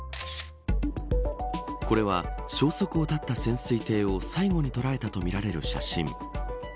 これは消息を絶った潜水艇を最後に捉えたとみられる写真。